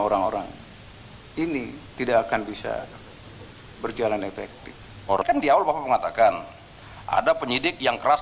orang orang ini tidak akan bisa berjalan efektif orang kan di awal bapak mengatakan ada penyidik yang keras